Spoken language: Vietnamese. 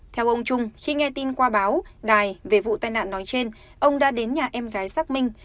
theo ông trung khi nghe tin qua báo đài về vụ tai nạn nói trên ông đã đến nhà em gái xác minh